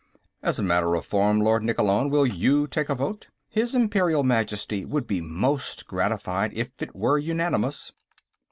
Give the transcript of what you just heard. As a matter of form, Lord Nikkolon, will you take a vote? His Imperial Majesty would be most gratified if it were unanimous."